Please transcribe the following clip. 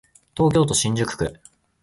東京都新宿区